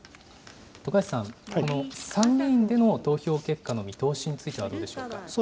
徳橋さん、この参議院での投票結果の見通しについてはどうでしょうか。